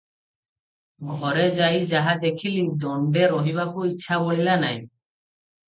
ଘରେ ଯାଇ ଯାହା ଦେଖିଲି, ଦଣ୍ଡେ ରହିବାକୁ ଇଚ୍ଛା ବଳିଲା ନାହିଁ ।